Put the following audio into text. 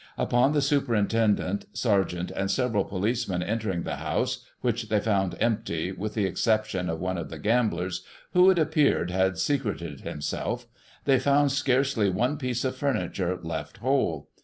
Upon the Superintendent, Sergeant and several policemen entering the house (which they found empty, with the exception of one of the gamblers, who, it appeared, had secreted himself) they found scarcely one piece of furniture left whole.